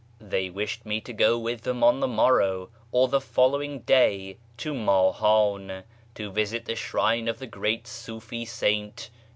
They wished me to go with them on the morrow or the following day to Mahan, to visit the shrine of the great Siifi saint.